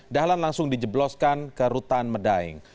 dahlan langsung dijebloskan ke rutan medaeng